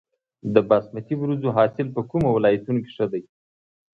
د باسمتي وریجو حاصل په کومو ولایتونو کې ښه دی؟